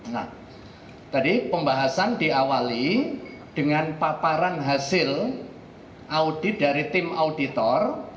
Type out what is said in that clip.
nah tadi pembahasan diawali dengan paparan hasil audit dari tim auditor